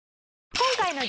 今回の激